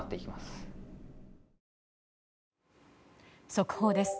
速報です。